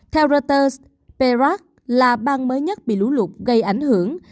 theo reuters perat là bang mới nhất bị lũ lụt gây ảnh hưởng